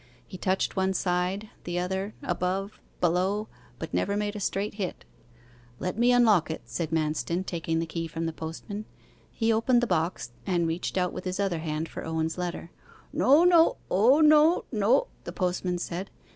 He touched one side, the other, above, below, but never made a straight hit. 'Let me unlock it,' said Manston, taking the key from the postman. He opened the box and reached out with his other hand for Owen's letter. 'No, no. O no no,' the postman said.